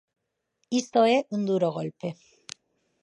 Isto é un duro golpe.